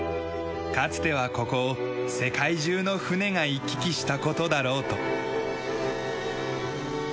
かつてはここを世界中の船が行き来した事だろうと。